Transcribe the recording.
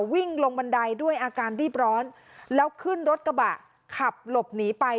วิ่งลงบันไดด้วยอาการรีบร้อนแล้วขึ้นรถกระบะขับหลบหนีไป